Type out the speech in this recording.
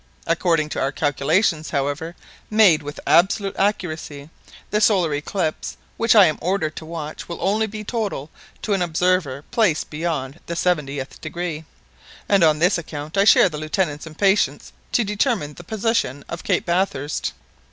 According to our calculations, however, made with absolute accuracy, the solar eclipse which I am ordered to watch will only be total to an observer placed beyond the seventieth degree, and on this account I share the Lieutenant's impatience to determine the position of Cape Bathurst."